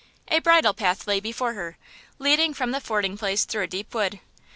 A bridle path lay before her, leading from the fording place through a deep wood.